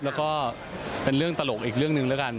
แล้วก็เป็นเรื่องตลกอีกเรื่องหนึ่งแล้วกัน